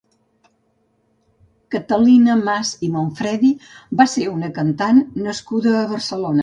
Catalina Mas i Monfredi va ser una cantant nascuda a Barcelona.